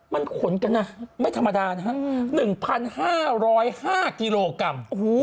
มันขนกันนะไม่ธรรมดานะฮะ๑๕๐๕กิโลกรัม